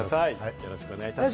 よろしくお願いたします。